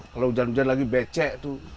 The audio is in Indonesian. kalau hujan hujan lagi becek tuh